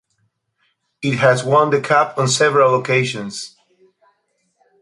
It has won the cup on several occasions.